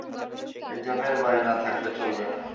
একজনের বাড়ি না থাকলে চলবে না।